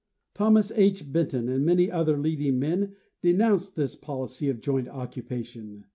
Thomas H. Ben ton and many other leading men denounced this policy of joint occupation.